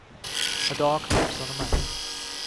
A dog leaps on a man.